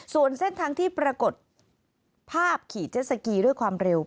ส่วนเส้นทางที่ปรากฏภาพขี่เจ็ดสกีด้วยความเร็ว